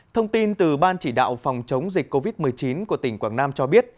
thông tin từ ban chỉ đạo phòng chống dịch covid một mươi chín của tỉnh quảng nam cho biết